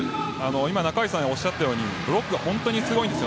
今、中垣内さんがおっしゃったようにブロックが本当にすごいんです。